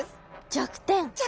弱点。